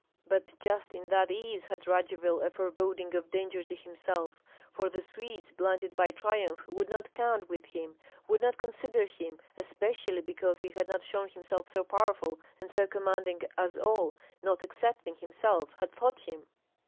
But just in that ease had Radzivill a foreboding of danger to himself; for the Swedes, blinded by triumph, would not count with him, would not consider him, especially because he had not shown himself so powerful and so commanding as all, not excepting himself, had thought him.